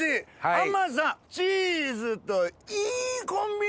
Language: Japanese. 甘さチーズといいコンビネーション。